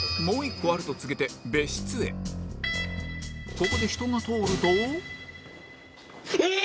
ここで人が通るとヒィ！